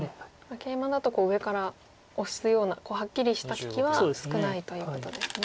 ケイマだと上からオスようなはっきりした利きは少ないということですね。